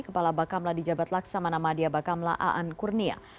kepala bakamla di jabat laksa manamadiyah bakamla a'an kurnia